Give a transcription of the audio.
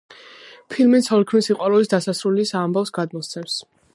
ფილმი ცოლ-ქმრის სიყვარულის დასასრულის ამბავს გადმოსცემს.